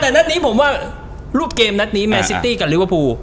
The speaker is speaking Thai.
แต่อันนี้ผมว่ารูปแค่นั้นแมนซิตี้กับลิเวอร์ปู